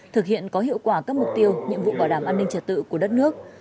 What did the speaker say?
thực hiện có hiệu quả các mục tiêu nhiệm vụ bảo đảm an ninh trật tự của đất nước